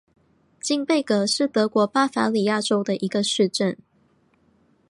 金贝格是德国巴伐利亚州的一个市镇。